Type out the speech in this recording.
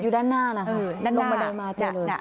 อยู่ด้านหน้านะค่ะเออด้านหน้าลงบันไดมาเจอเลย